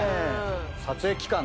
撮影期間が？